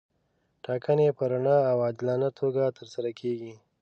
ټاکنې په رڼه او عادلانه توګه ترسره کیږي.